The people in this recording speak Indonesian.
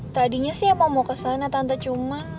tadinya siapa mau kesana tante cuman